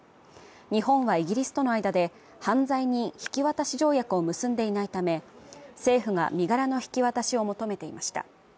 日本はイギリスとの間で犯罪人引渡し条約を結んでいないため政府が身柄の引き渡しを求めていました。